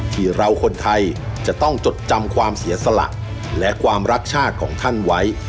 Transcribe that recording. ที่เราคนไทยจะต้องจดจำความเสียสละและความรักชาติของท่านไว้